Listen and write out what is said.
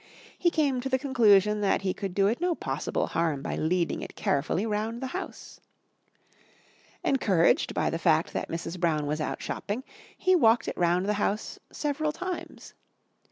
He came to the conclusion that he could do it no possible harm by leading it carefully round the house. Encouraged by the fact that Mrs. Brown was out shopping, he walked it round the house several times.